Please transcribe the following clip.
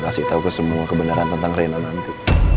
kasih tau kesemua kebenaran tentang reina nanti